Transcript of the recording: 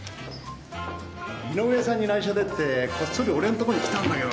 井上さんにないしょでってこっそり俺のとこに来たんだけどね。